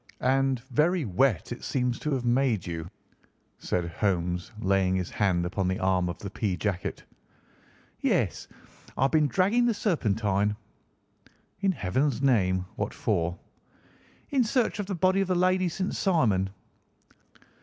"And very wet it seems to have made you," said Holmes laying his hand upon the arm of the pea jacket. "Yes, I have been dragging the Serpentine." "In Heaven's name, what for?" "In search of the body of Lady St. Simon."